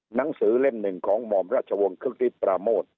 หนังสือเล่มหนึ่งของหม่อมราชวงศ์คึกฤทธิปราโมท